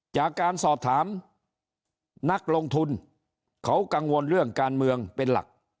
จากการสอบถามนักลงทุนเขากังวลเรื่องการเมืองเป็นหลัก